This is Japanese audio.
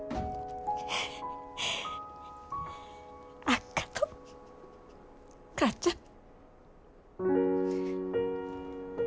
あっがとう母ちゃん。